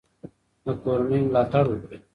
د کورنیو ملاتړ وکړئ.